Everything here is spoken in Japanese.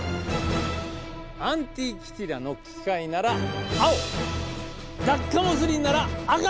アンティキティラの機械なら青ダッカモスリンなら赤のボタンを押して下さい。